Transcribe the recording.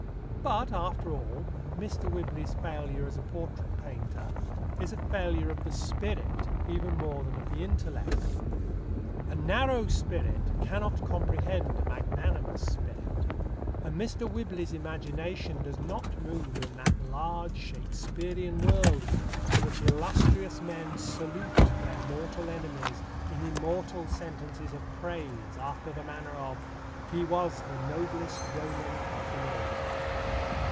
But, after all, Mr. Whibley's failure as a portrait painter is a failure of the spirit even more than of the intellect. A narrow spirit cannot comprehend a magnanimous spirit, and Mr. Whibley's imagination does not move in that large Shakespearean world in which illustrious men salute their mortal enemies in immortal sentences of praise after the manner of He was the noblest Roman of them all.